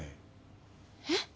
えっ？